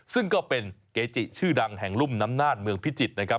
ซึ่งก็เป็นเกจิชื่อดังแห่งรุ่มน้ำน่านเมืองพิจิตรนะครับ